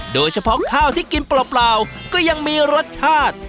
โดยเฉพาะข้าวที่กินเปล่าก็ยังมีรสชาติ